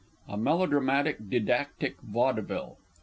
_A MELODRAMATIC DIDACTIC VAUDEVILLE.